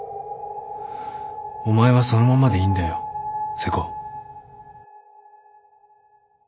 お前はそのままでいいんだよ瀬古。